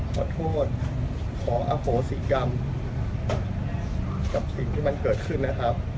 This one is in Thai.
ขอโทษขออโหสิกรรมกับสิ่งที่มันเกิดขึ้นนะครับ